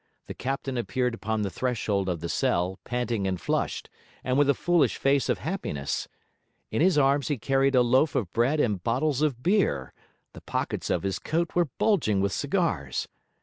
The captain appeared upon the threshold of the cell, panting and flushed, and with a foolish face of happiness. In his arms he carried a loaf of bread and bottles of beer; the pockets of his coat were bulging with cigars.